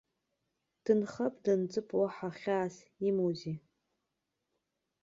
Дынхап-дынҵып, уаҳа хьаас имоузеи.